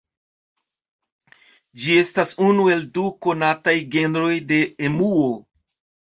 Ĝi estas unu el du konataj genroj de emuo.